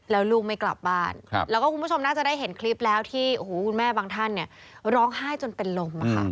แล้วลูกไม่กลับบ้านแล้วก็คุณผู้ชมน่าจะได้เห็นคลิปแล้วที่คุณแม่บางท่านเนี่ยร้องไห้จนเป็นลม